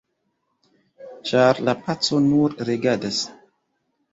ĉar la paco nur regadas